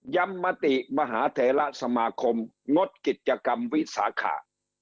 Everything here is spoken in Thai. มติมหาเทระสมาคมงดกิจกรรมวิสาขา